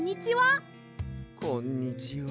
こんにちは。